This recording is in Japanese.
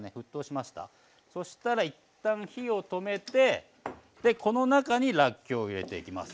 そしたら一旦火を止めてこの中にらっきょうを入れていきます。